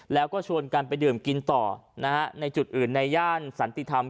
แล้วก็ชวนกันไปดื่มกินต่อนะฮะในจุดอื่นในย่านสันติธรรม